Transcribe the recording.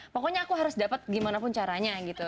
pokoknya aku harus dapat gimana pun caranya gitu